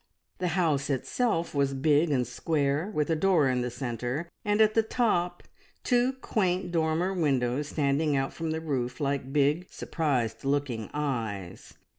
The house itself was big and square, with a door in the centre, and at the top two quaint dormer windows, standing out from the roof like big surprised looking eyes.